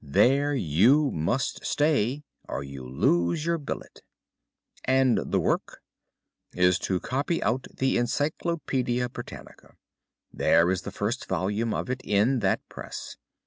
There you must stay, or you lose your billet.' "'And the work?' "'Is to copy out the Encyclopædia Britannica. There is the first volume of it in that press.